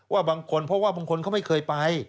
บางคนเพราะว่าบางคนเขาไม่เคยไป